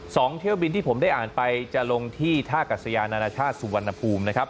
เที่ยวบินที่ผมได้อ่านไปจะลงที่ท่ากัศยานานาชาติสุวรรณภูมินะครับ